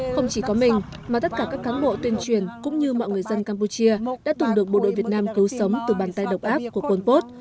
không chỉ có mình mà tất cả các cán bộ tuyên truyền cũng như mọi người dân campuchia đã từng được bộ đội việt nam cứu sống từ bàn tay độc áp của quân pốt